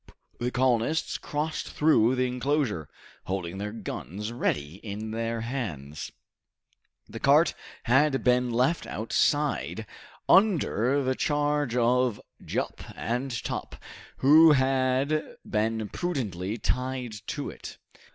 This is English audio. The colonists crossed through the enclosure, holding their guns ready in their hands. The cart had been left outside under the charge of Jup and Top, who had been prudently tied to it.